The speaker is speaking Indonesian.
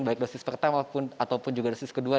baik dosis pertama ataupun juga dosis kedua